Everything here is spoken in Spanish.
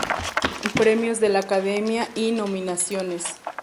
Premios de la Academia y nominaciones